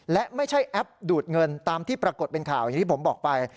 และไม่ใช่แอปดูดเงินตามที่ปรากฏเป็นข่าวอย่างที่ผมบอกไป